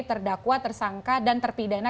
terdakwa tersangka dan terpidana